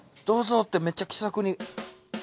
どうぞってめっちゃ気さくに。